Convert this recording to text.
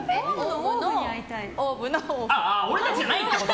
俺たちじゃないってこと？